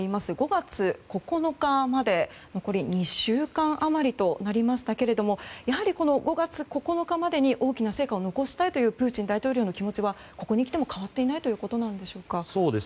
５月９日まで２週間余りとなりましたがやはり、５月９日までに大きな成果を残したいというプーチン大統領の気持ちはここにきても変わっていないということなんでしょうか。